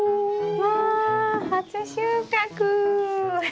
わ初収穫。